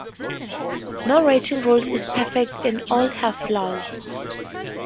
No rating rule is perfect and all have flaws.